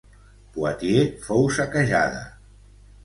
Poitiers fou saquejada.